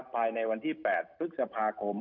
ภายในวันที่๘พฤษภาคม